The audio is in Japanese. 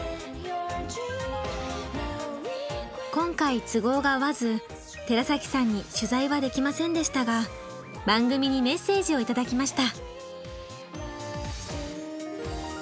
今回都合が合わず寺崎さんに取材はできませんでしたが番組にメッセージを頂きました。